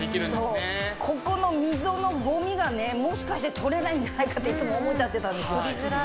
ここの溝のゴミがねもしかして取れないんじゃないかっていつも思っちゃってたんですよ。